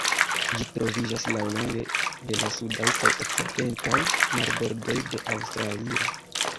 Ĝi troviĝas laŭlonge de la sudaj kaj okcidentaj marbordoj de Aŭstralio.